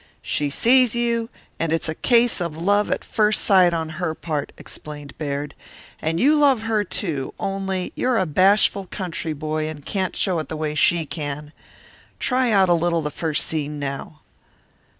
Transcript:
"She sees you, and it's a case of love at first sight on her part," explained Baird. "And you love her, too, only you're a bashful country boy and can't show it the way she can. Try out a little first scene now."